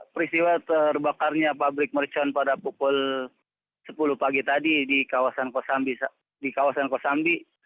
peristiwa terbakarnya pabrik mercon pada pukul sepuluh pagi tadi di kawasan kosambi